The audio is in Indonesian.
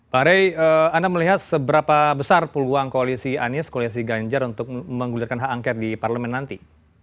pak rey anda melihat seberapa besar peluang koalisi anies koalisi ganjar untuk menggulirkan hak angket di parlemen nanti